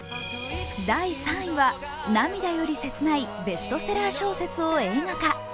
第３位は涙より切ないベストセラー小説を映画化。